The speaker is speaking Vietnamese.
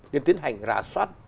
nên tiến hành rà soát